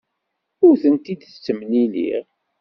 Ur tent-id-ttemliliɣ.